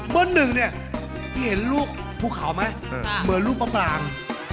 หนึ่งเนี่ยเห็นลูกภูเขาไหมเหมือนลูกมะปราง